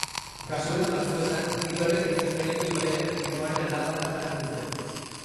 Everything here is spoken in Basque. Kasuren batzuetan, Niloren, izen bereko ibaiaren jainkoaren alabatzat hartzen zen.